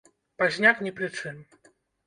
Пазняк ні пры чым.